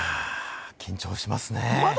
緊張しますね。